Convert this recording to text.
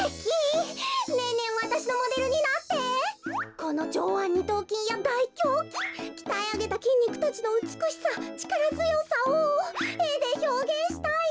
このじょうわんにとうきんやだいきょうきんきたえあげたきんにくたちのうつくしさちからづよさをえでひょうげんしたいの。